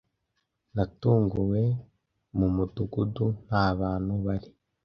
Natunguwe, mu mudugudu nta bantu bari.